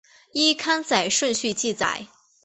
依刊载顺序记载。